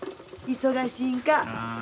忙しいんか。